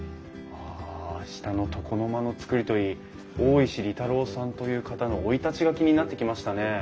あ下の床の間の造りといい大石利太郎さんという方の生い立ちが気になってきましたね。